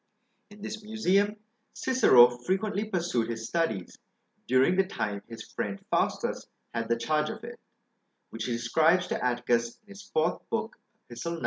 In this museum, Cicero frequently pursued his studies, during the time his friend Faustus had the charge of it; which he describes to Atticus in his 4th Book, Epist. 9.